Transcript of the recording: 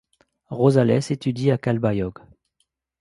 Rosales étudie à Calbayog.